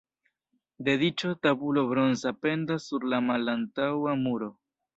Dediĉo tabulo bronza pendas sur la malantaŭa muro.